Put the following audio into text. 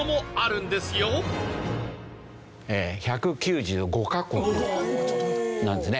１９５カ国なんですね。